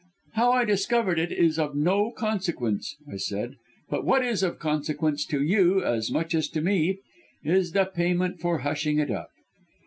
"'How I discovered it is of no consequence,' I said, 'but what is of consequence to you as much as to me is the payment for hushing it up!'